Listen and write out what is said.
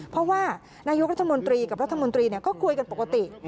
เพราะว่านายกรัฐมนตรีกับรัฐมนตรีก็คุยกันปกติ